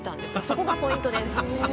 そこがポイントです。